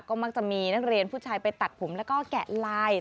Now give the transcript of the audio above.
ก็มักจะมีนักเรียนผู้ชายไปตัดผมแล้วก็แกะลาย